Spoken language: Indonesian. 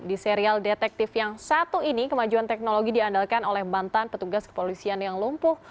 di serial detektif yang satu ini kemajuan teknologi diandalkan oleh mantan petugas kepolisian yang lumpuh